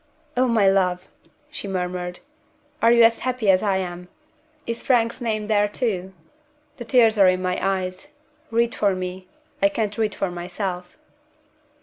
"Oh, my love!" she murmured, "are you as happy as I am? Is Frank's name there too? The tears are in my eyes. Read for me I can't read for myself."